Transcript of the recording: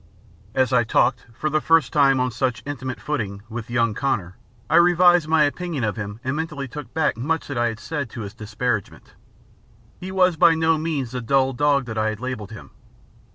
As I talked for the first time on such intimate footing with young Connor, I revised my opinion of him and mentally took back much that I had said in his disparagement. He was by no means the dull dog that I had labelled him.